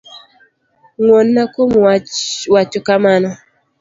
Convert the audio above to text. Ngwonna kuom wacho kamano.